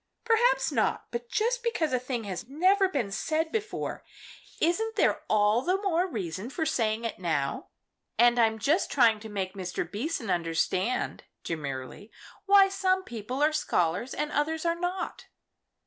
"Perhaps not. But just because a thing has never been said before, isn't there all the more reason for saying it now? And I'm just trying to make Mr. Beason understand" demurely "why some people are scholars and others are not."